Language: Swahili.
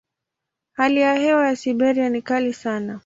Hali ya hewa ya Siberia ni kali sana.